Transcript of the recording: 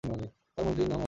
তাঁহার মন্ত্রীর নাম অন্ধক।